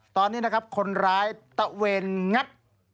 ตอนนี้นะครับคนร้ายตะเวนงัด